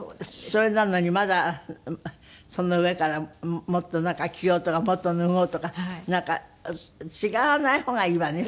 それなのにまだその上からもっとなんか着ようとかもっと脱ごうとかなんか違わない方がいいわね